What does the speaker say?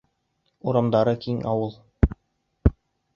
Урамдары киң ауыл.